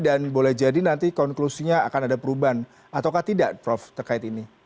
dan boleh jadi nanti konklusinya akan ada perubahan ataukah tidak prof terkait ini